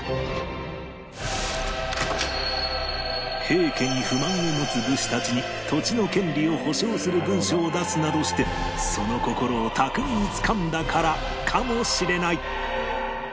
平家に不満を持つ武士たちに土地の権利を保障する文書を出すなどしてその心を巧みにつかんだからかもしれない